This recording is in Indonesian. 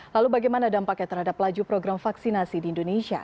lalu bagaimana dampaknya terhadap laju program vaksinasi di indonesia